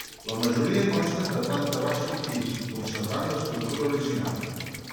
La majoria consten de planta baixa i pis, conservant l'estructura original.